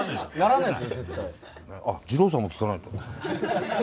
あ治郎さんも聞かないと。